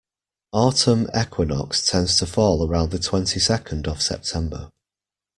Autumn equinox tends to fall around the twenty-second of September.